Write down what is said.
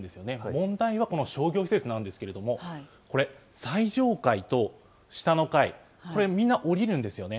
問題はこの商業施設なんですけれども、これ、最上階と下の階、これ、みんな降りるんですよね。